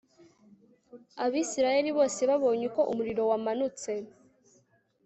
abisirayeli bose babonye uko umuriro wamanutse